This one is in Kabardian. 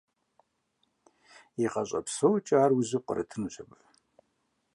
И гъащӀэ псокӀэ ар узу пкърытынущ абы…